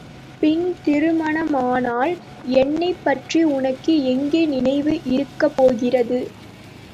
பின் திருமணமானால் என்னைப்பற்றி உனக்கு எங்கே நினைவு இருக்கப்போகிறது?